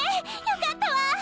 よかったわ！